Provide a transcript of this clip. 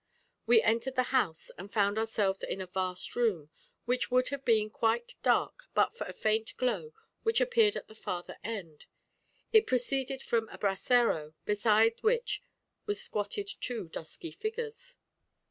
We entered the house, and found ourselves in a vast room, which would have been quite dark but for a faint glow which appeared at the farther end: it proceeded from a brasero, beside which were squatted two dusky figures.